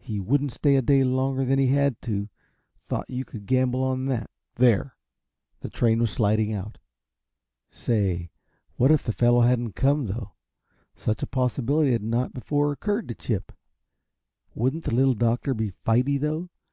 He wouldn't stay a day longer than he had to, thought you could gamble on that. There the train was sliding out say, what if the fellow hadn't come, though? Such a possibility had not before occurred to Chip wouldn't the Little Doctor be fighty, though?